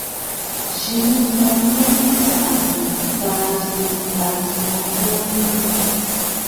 Zǐ nɨ̂ ǹdəŋnə jì sàʼàkə̀ tâ sɨ̀ larɨsə mɨkuu mya ghu.